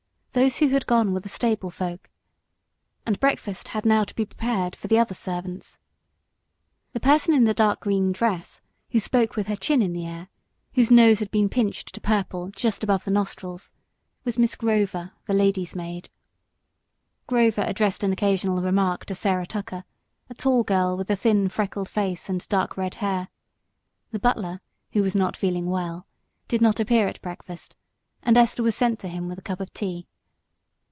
Those who had gone were the stable folk, and breakfast had now to be prepared for the other servants. The person in the dark green dress who spoke with her chin in the air, whose nose had been pinched to purple just above the nostrils, was Miss Grover, the lady's maid. Grover addressed an occasional remark to Sarah Tucker, a tall girl with a thin freckled face and dark red hair. The butler, who was not feeling well, did not appear at breakfast, and Esther was sent to him with a cup of tea.